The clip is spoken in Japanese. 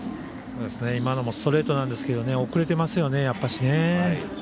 今のもストレートなんですけど遅れてますよね。